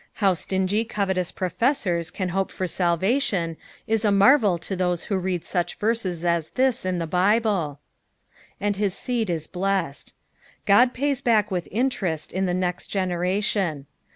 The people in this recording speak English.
How stingy covetous profeeson can hope for sBlvation is a marvel to thoae who read such verses as this in the Bible. '' And hit tted it Netted.^' Qod pays back with interest in the next generation.